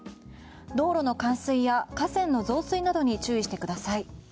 道路の冠水や河川の増水などに注意してください。